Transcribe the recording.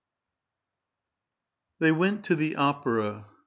They went to the opera.